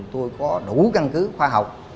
tôi có đủ căn cứ khoa học